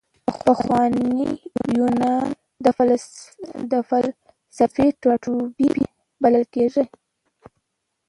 پخوانی یونان د فلسفې ټاټوبی بلل کیږي.